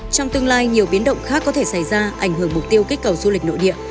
trong tương lai nhiều biến động khác có thể xảy ra ảnh hưởng mục tiêu kích cầu du lịch nội địa